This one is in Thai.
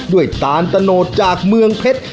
ด้วยตานตโนตจากเมืองเพชร